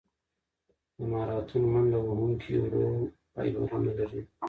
د ماراتون منډهوهونکي ورو فایبرونه لري.